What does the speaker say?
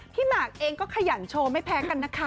หมากเองก็ขยันโชว์ไม่แพ้กันนะคะ